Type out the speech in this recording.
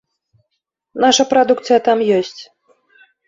Наша прадукцыя там ёсць.